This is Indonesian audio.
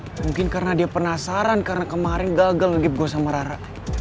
mungkin karena dia penasaran karena kemarin gagal ngegip gue sama rara